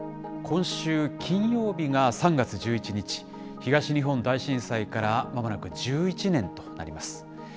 今週金曜日が３月１１日、東日本大震災からまもなく１１年となります。